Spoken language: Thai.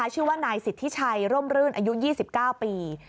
ชื่อว่านายสิทธิชัยร่มรื่นอายุ๒๙ปี